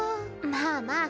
まあまあ。